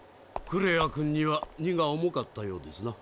クレア君には荷が重かったようですな。